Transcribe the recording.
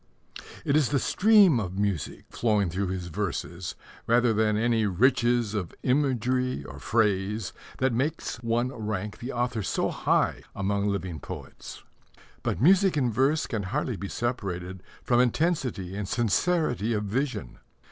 It is the stream of music flowing through his verses rather than any riches of imagery or phrase that makes one rank the author so high among living poets. But music in verse can hardly be separated from intensity and sincerity of vision.